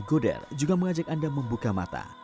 goder juga mengajak anda membuka mata